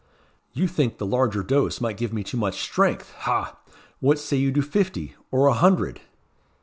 "You think the larger dose might give me too much strength ha! What say you to fifty, or a hundred?"